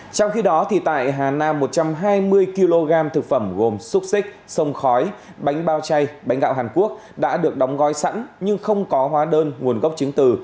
trong khi đó tại hà nam một trăm hai mươi kg thực phẩm gồm xúc xích sông khói bánh bao chay bánh gạo hàn quốc đã được đóng gói sẵn nhưng không có hóa đơn nguồn gốc chứng từ